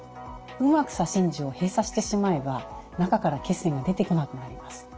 うまく左心耳を閉鎖してしまえば中から血栓が出てこなくなります。